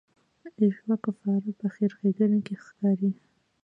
عیاشیو کفاره په خیر ښېګڼې کې ښکاري.